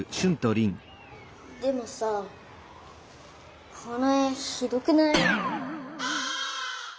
でもさこの絵ひどくない？